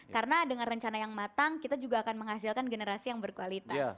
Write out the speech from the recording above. karena dengan rencana yang matang kita juga akan menghasilkan generasi yang berkualitas